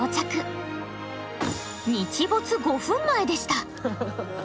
日没５分前でした。